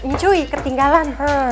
ini cuy ketinggalan